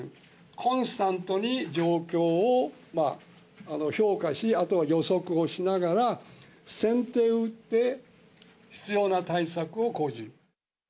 コンスタントに状況を評価し、あとは予測をしながら、先手を打って、必要な対策を講じる。